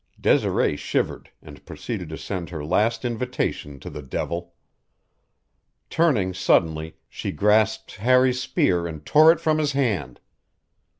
Desiree shivered, and proceeded to send her last invitation to the devil. Turning suddenly, she grasped Harry's spear and tore it from his hand.